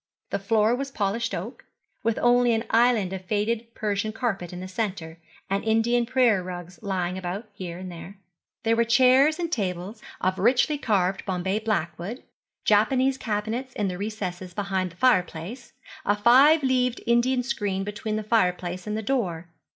The floor was polished oak, with only an island of faded Persian carpet in the centre, and Indian prayer rugs lying about here and there. There were chairs and tables of richly carved Bombay blackwood, Japanese cabinets in the recesses beside the fire place, a five leaved Indian screen between the fire place and the door.